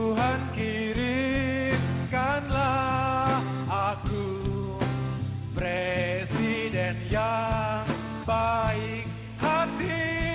tuhan kirimkanlah aku presiden yang baik hati